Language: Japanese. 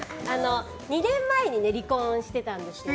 ２年前に離婚してたんですけど。